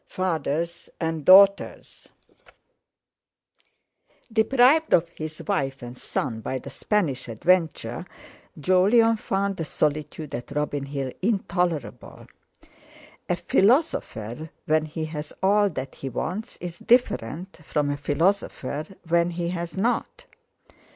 —FATHERS AND DAUGHTERS Deprived of his wife and son by the Spanish adventure, Jolyon found the solitude at Robin Hill intolerable. A philosopher when he has all that he wants is different from a philosopher when he has not.